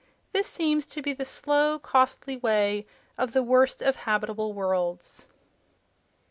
This seems to be the slow, costly way of the worst of habitable worlds.